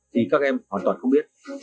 thì các em hoàn toàn không biết